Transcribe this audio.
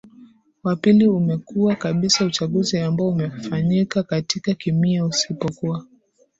wa pili umekuwa kabisa uchaguzi ambao umefanyika katika kimia usipokuwa